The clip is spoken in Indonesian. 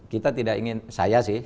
kita tidak ingin saya sih